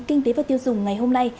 kinh tế và tiêu dùng ngày hôm nay